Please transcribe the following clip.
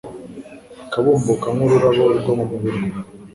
akabumbuka nk’ururabo rwo mu murima